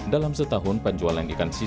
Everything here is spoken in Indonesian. dalam setahun pandangan ini menyebabkan kegiatan